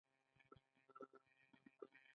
دوی له جنګ ځپلو ښارونو څخه دلته کډوال شوي دي.